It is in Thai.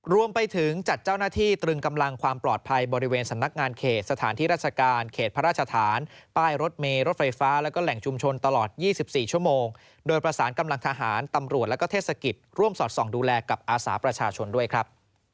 รวมไปถึงจัดเจ้าหน้าที่ตรึงกำลังความปลอดภัยบริเวณสำนักงานเขตสถานที่ราชการเขตพระราชฐานป้ายรถเมย์รถไฟฟ้าแล้วก็แหล่งชุมชนตลอด๒๔ชั่วโมงโดยประสานกำลังทหารตำรวจและก็เทศกิจร่วมสอดส่องดูแลกับอาสาประชาชนด้วยครับ